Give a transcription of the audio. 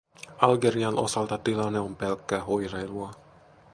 Algerian osalta tilanne on pelkkää hourailua.